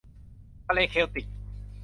ทะเลเคลติก